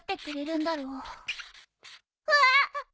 うわっ！